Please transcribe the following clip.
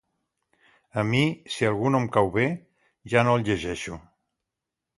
A mi, si algú no em cau bé, ja no el llegeixo.